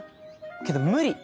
けど無理